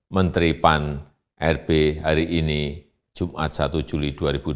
menteri pan rb hari ini jumat satu juli dua ribu dua puluh